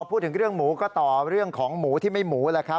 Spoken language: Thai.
พูดถึงเรื่องหมูก็ต่อเรื่องของหมูที่ไม่หมูแล้วครับ